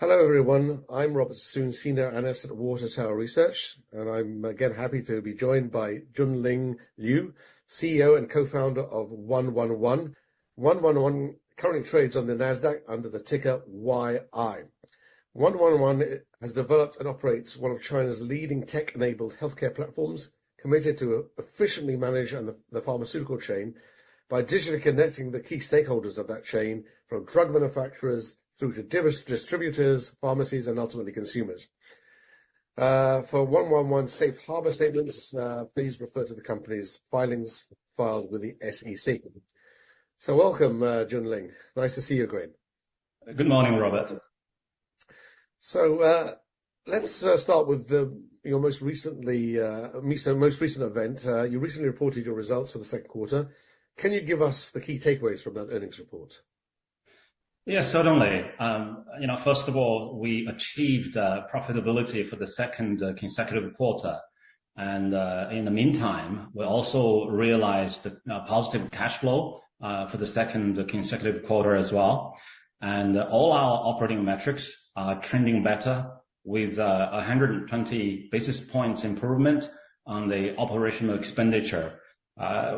Hello, everyone. I'm Robert Sun, Senior Analyst at Water Tower Research, and I'm again happy to be joined by Junling Liu, CEO and Co-Founder of 111. 111 currently trades on the NASDAQ under the ticker YI. 111 has developed and operates one of China's leading tech-enabled healthcare platforms, committed to efficiently manage the pharmaceutical chain by digitally connecting the key stakeholders of that chain, from drug manufacturers through to distributors, pharmacies, and ultimately, consumers. For 111 Safe Harbor statements, please refer to the company's filings filed with the SEC. So welcome, Junling. Nice to see you again. Good morning, Robert. So, let's start with your most recent event. You recently reported your results for the second quarter. Can you give us the key takeaways from that earnings report? Yeah, certainly. You know, first of all, we achieved profitability for the second consecutive quarter. And in the meantime, we also realized the positive cash flow for the second consecutive quarter as well. And all our operating metrics are trending better with 120 basis points improvement on the operational expenditure.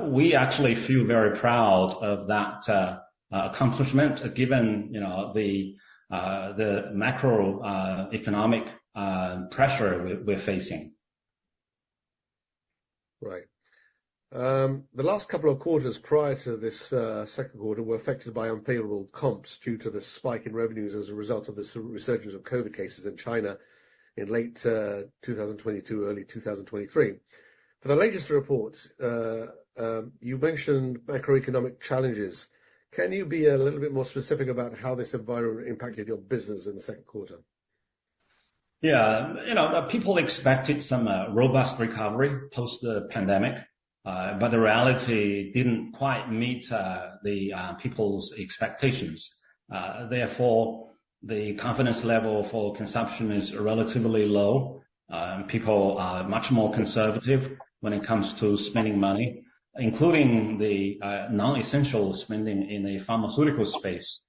We actually feel very proud of that accomplishment, given you know the macroeconomic pressure we're facing. Right. The last couple of quarters prior to this second quarter were affected by unfavorable comps due to the spike in revenues as a result of the resurgence of COVID cases in China in late 2022, early 2023. For the latest report, you mentioned macroeconomic challenges. Can you be a little bit more specific about how this environment impacted your business in the second quarter? Yeah. You know, people expected some robust recovery post the pandemic, but the reality didn't quite meet the people's expectations. Therefore, the confidence level for consumption is relatively low. People are much more conservative when it comes to spending money, including the non-essential spending in the pharmaceutical space,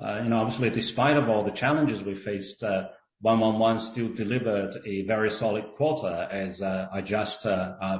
and obviously, despite of all the challenges we faced, 111 still delivered a very solid quarter, as I just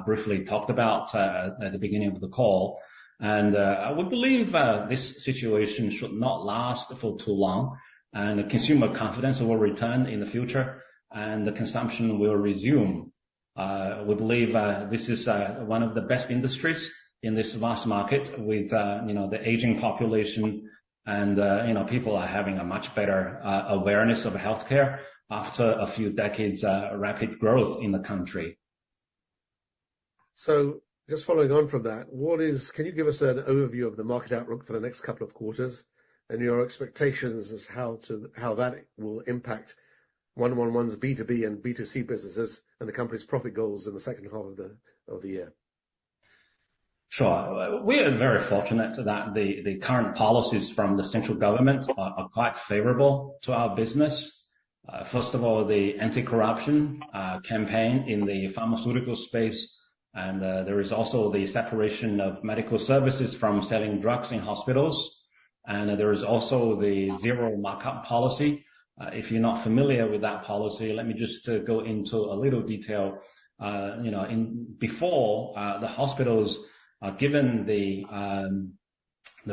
briefly talked about at the beginning of the call, and I would believe this situation should not last for too long, and consumer confidence will return in the future, and the consumption will resume. We believe this is one of the best industries in this vast market with, you know, the aging population and, you know, people are having a much better awareness of healthcare after a few decades of rapid growth in the country. So just following on from that, can you give us an overview of the market outlook for the next couple of quarters and your expectations as to how that will impact 111's B2B and B2C businesses and the company's profit goals in the second half of the year? Sure. We are very fortunate that the current policies from the central government are quite favorable to our business. First of all, the anti-corruption campaign in the pharmaceutical space, and there is also the separation of medical services from selling drugs in hospitals, and there is also the zero markup policy. If you're not familiar with that policy, let me just go into a little detail. You know, before, the hospitals are given the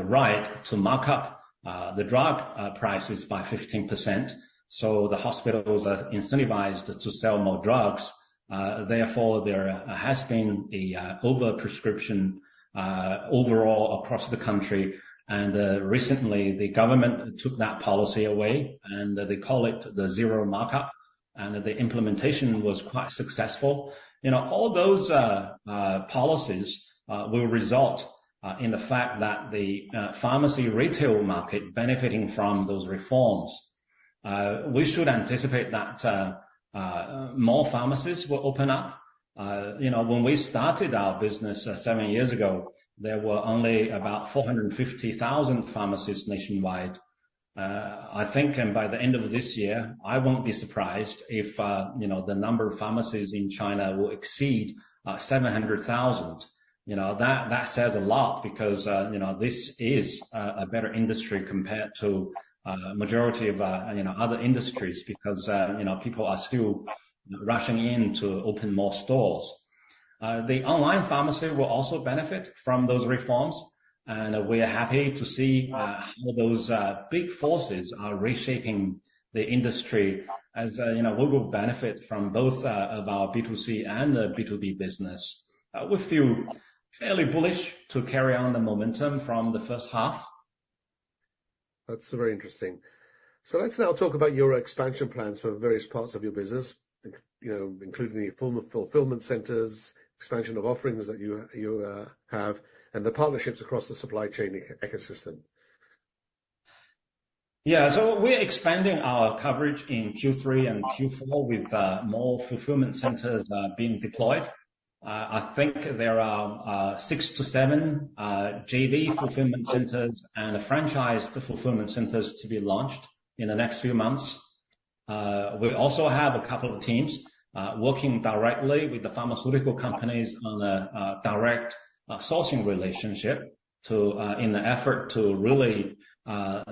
right to mark up the drug prices by 15%, so the hospitals are incentivized to sell more drugs. Therefore, there has been a overprescription overall across the country, and recently, the government took that policy away, and they call it the zero markup, and the implementation was quite successful. You know, all those policies will result in the fact that the pharmacy retail market benefiting from those reforms. We should anticipate that more pharmacies will open up. You know, when we started our business seven years ago, there were only about 450,000 pharmacies nationwide. I think by the end of this year, I won't be surprised if you know, the number of pharmacies in China will exceed 700,000. You know, that says a lot because you know, this is a better industry compared to majority of you know, other industries because you know, people are still rushing in to open more stores. The online pharmacy will also benefit from those reforms, and we are happy to see how those big forces are reshaping the industry. As you know, we will benefit from both of our B2C and B2B business. We feel fairly bullish to carry on the momentum from the first half. That's very interesting. So let's now talk about your expansion plans for various parts of your business, including the form of fulfillment centers, expansion of offerings that you have, and the partnerships across the supply chain ecosystem. Yeah. So we're expanding our coverage in Q3 and Q4 with more fulfillment centers being deployed. I think there are 6-7 JV fulfillment centers and franchised fulfillment centers to be launched in the next few months. We also have a couple of teams working directly with the pharmaceutical companies on a direct sourcing relationship to in the effort to really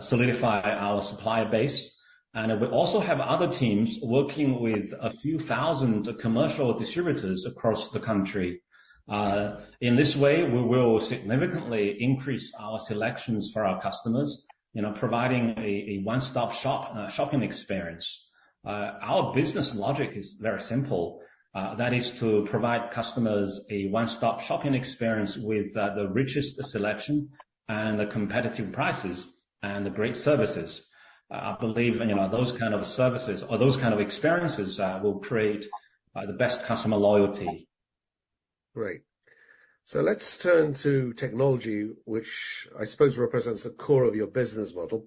solidify our supplier base. And we also have other teams working with a few thousand commercial distributors across the country. In this way, we will significantly increase our selections for our customers, you know, providing a one-stop shop shopping experience. Our business logic is very simple, that is to provide customers a one-stop shopping experience with the richest selection and the competitive prices and the great services. I believe, you know, those kind of services or those kind of experiences will create the best customer loyalty. Great. So let's turn to technology, which I suppose represents the core of your business model.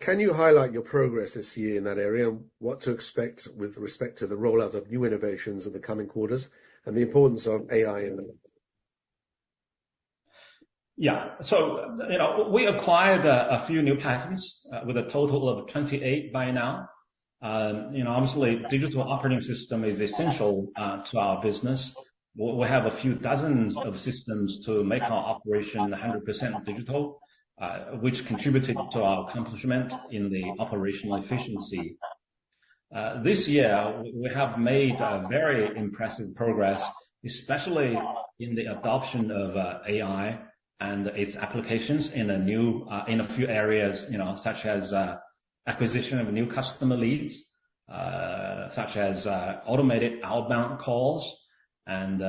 Can you highlight your progress this year in that area, and what to expect with respect to the rollout of new innovations in the coming quarters, and the importance of AI in them? Yeah. So, you know, we acquired a few new patents with a total of 28 by now. You know, obviously, digital operating system is essential to our business. We have a few dozens of systems to make our operation 100% digital, which contributed to our accomplishment in the operational efficiency. This year, we have made very impressive progress, especially in the adoption of AI and its applications in a few areas, you know, such as acquisition of new customer leads, such as automated outbound calls, and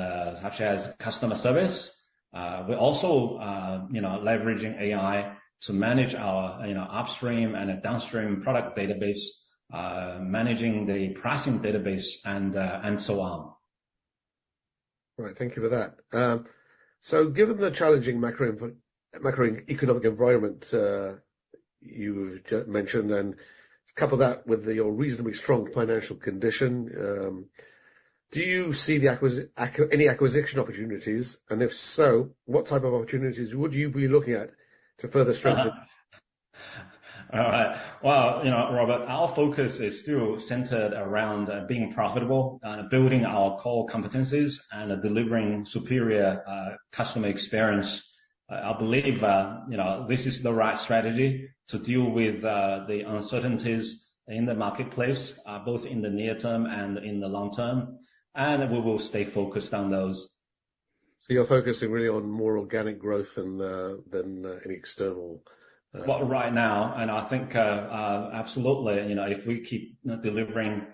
such as customer service. We're also, you know, leveraging AI to manage our, you know, upstream and downstream product database, managing the pricing database, and so on. Right. Thank you for that. So given the challenging macroeconomic environment you've just mentioned, and couple that with your reasonably strong financial condition, do you see any acquisition opportunities? And if so, what type of opportunities would you be looking at to further strengthen? Well, you know, Robert, our focus is still centered around being profitable, building our core competencies, and delivering superior customer experience. I believe, you know, this is the right strategy to deal with the uncertainties in the marketplace, both in the near term and in the long term, and we will stay focused on those. So you're focusing really on more organic growth than any external Right now, and I think absolutely, you know, if we keep delivering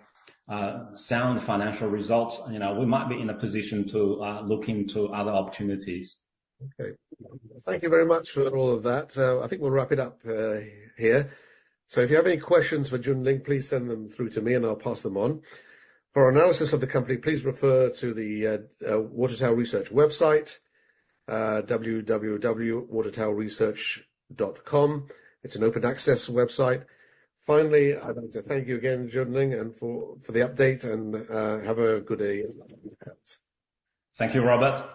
sound financial results, you know, we might be in a position to look into other opportunities. Okay. Thank you very much for all of that. I think we'll wrap it up here. So if you have any questions for Junling Liu, please send them through to me, and I'll pass them on. For analysis of the company, please refer to the Water Tower Research website, www.watertowerresearch.com. It's an open access website. Finally, I'd like to thank you again, Junling Liu, and for the update, and have a good day in advance. Thank you, Robert.